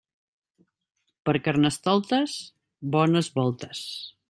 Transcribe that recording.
Per Carnestoltes, bones voltes.